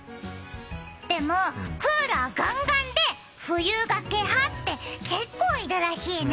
でも、クーラーがんがんで冬がけ派って、結構いるらしいね。